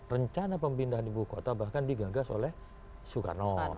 rencana pemindahan ibu kota bahkan digagas oleh soekarno